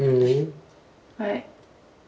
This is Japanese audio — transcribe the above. はい。